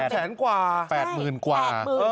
๘แสนกว่า๘หมื่นกว่า